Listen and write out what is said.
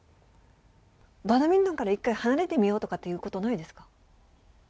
バドミントンから一回離れてみようとかっていうことはないですか？